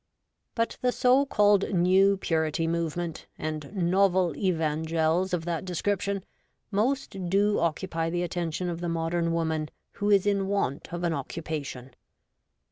But the so called ' New Purity' movement, and novel evangels of that description, most do occupy the attention of the modern woman who is in want of an occupation.